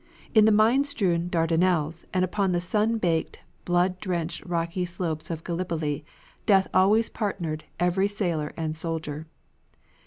In the mine strewn Dardanelles and upon the sun baked, blood drenched rocky slopes of Gallipoli, death always partnered every sailor and soldier.